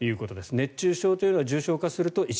熱中症というのは重症化すると意識